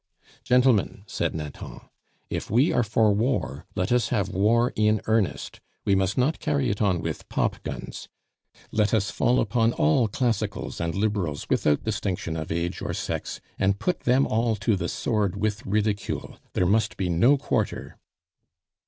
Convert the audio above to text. "Gentlemen," said Nathan, "if we are for war, let us have war in earnest; we must not carry it on with pop guns. Let us fall upon all Classicals and Liberals without distinction of age or sex, and put them all to the sword with ridicule. There must be no quarter."